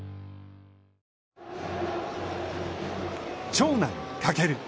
長男・翔。